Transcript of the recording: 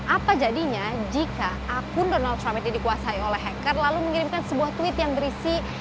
apa jadinya jika akun donald trump ini dikuasai oleh hacker lalu mengirimkan sebuah tweet yang berisi